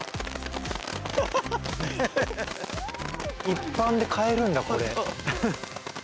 一般で買えるんだこれ。